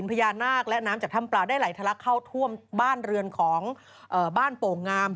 น้องเนยว่านี่โชว์การแต่งหน้า